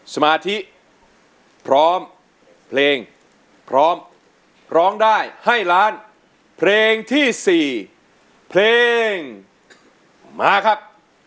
สมาธิพร้อมเพลงพร้อมร้องได้ให้ล้านเพลงที่๔เพลงมาครับ